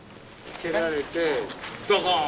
蹴られてドゴーン！